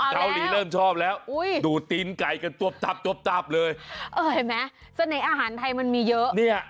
เหมือนในอาหารไทยมันมีเยอะ